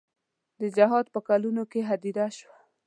د جهاد په کلونو کې هدیره شوه.